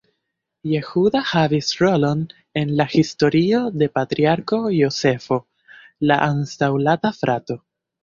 Jehuda havis rolon en la historio de Patriarko Jozefo, la antaŭlasta frato.